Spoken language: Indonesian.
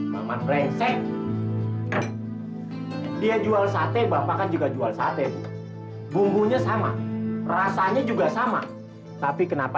mama krengsek dia jual sate bapak kan juga jual sate bumbunya sama rasanya juga sama tapi kenapa